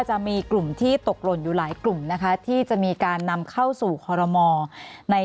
จะมีกลุ่มที่ตกหล่นอยู่หลายกลุ่มนะคะที่จะมีการนำเข้าสู่คอรมอลใน